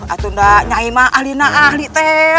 aduh aku gak nyanyi sama ahli ahli teh